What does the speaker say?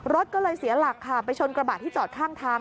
รถก็เลยเสียหลักค่ะไปชนกระบะที่จอดข้างทาง